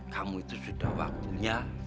kamu itu sudah waktunya